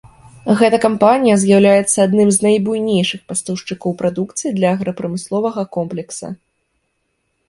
Гэтая кампанія з'яўляецца адным з найбуйнейшых пастаўшчыкоў прадукцыі для аграпрамысловага комплекса.